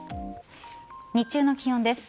日中の気温です。